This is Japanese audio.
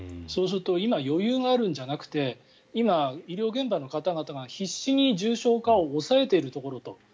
そうすると今、余裕があるんじゃなくて今、医療現場の方々が必死に重症化を抑えているところと。